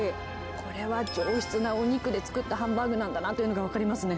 これは上質なお肉で作ったハンバーグなんだなというのが分かりますね。